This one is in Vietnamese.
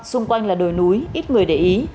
xung quanh là đồi núi ít người để ý